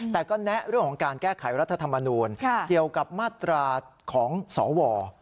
แต่ก็แนะเรื่องของการแก้ไขรัฐธรรมนูลเกี่ยวกับมาตราของสว